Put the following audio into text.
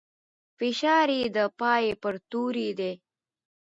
فشار يې د پای پر توري دی.